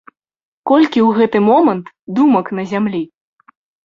Колькі ў гэты момант думак на зямлі?!